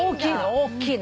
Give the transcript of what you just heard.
大きいのよ。